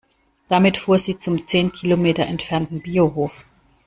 Damit fuhr sie zum zehn Kilometer entfernten Biohof.